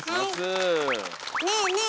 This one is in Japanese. ねえねえ